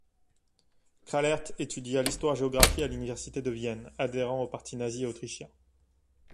Krallert étudia l'histoire-géographie à l'Université de Vienne, adhérant au Parti nazi autrichien.